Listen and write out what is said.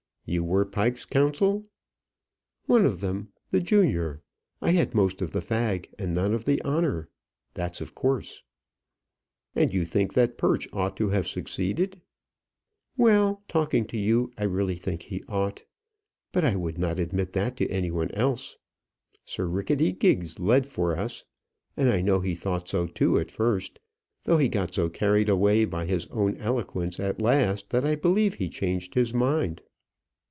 "You were Pike's counsel?" "One of them the junior. I had most of the fag and none of the honour. That's of course." "And you think that Perch ought to have succeeded?" "Well, talking to you, I really think he ought; but I would not admit that to any one else. Sir Ricketty Giggs led for us, and I know he thought so too at first; though he got so carried away by his own eloquence at last that I believe he changed his mind."